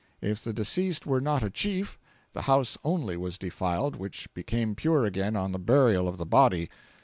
If the deceased were not a chief, the house only was defiled which became pure again on the burial of the body.